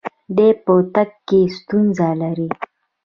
دی په تګ کې ستونزه لري.